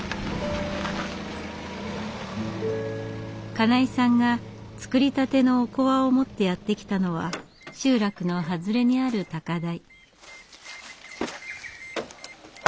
金井さんが作りたてのおこわを持ってやって来たのは集落の外れにある高台。